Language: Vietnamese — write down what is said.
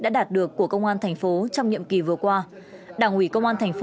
đã đạt được của công an tp hcm trong nhiệm ký vừa qua